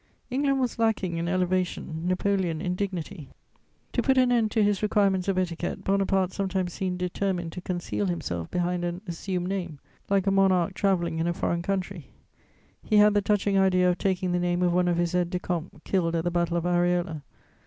England was lacking in elevation, Napoleon in dignity. To put an end to his requirements of etiquette, Bonaparte sometimes seemed determined to conceal himself behind an assumed name, like a monarch travelling in a foreign country; he had the touching idea of taking the name of one of his aides de camp, killed at the Battle of Areola.